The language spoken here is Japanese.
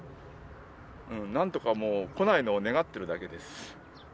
なんとかもう、来ないのを願ってるだけです。